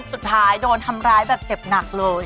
สุดท้ายโดนทำร้ายแบบเจ็บหนักเลย